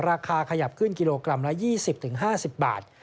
ราคาขยับขึ้นกิโลกรัมละ๒๐๕๐บาท